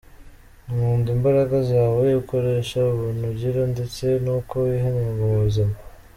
Nkunda imbaraga zawe ukoresha, ubuntu ugira, ndetse n’uko wiha intego mu buzima.